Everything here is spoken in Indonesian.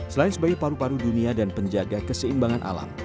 selain sebagai paru paru dunia dan penjaga keseimbangan alam